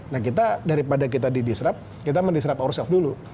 nah kita daripada kita didisrup kita mendisrup ourself dulu